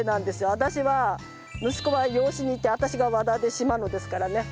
私は息子は養子に行って私が和田で嶋野ですからね。